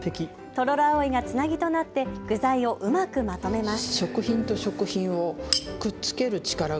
トロロアオイがつなぎとなって具材をうまくまとめます。